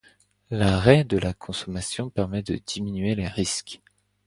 L'arrêt de la consommation permet de diminuer les risques.